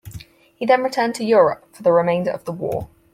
He then returned to Europe for the remainder of the war.